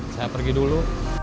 saya pergi dulu